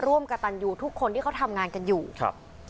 ร่วมกับตันยูทุกคนที่เขาทำงานกันอยู่ครับ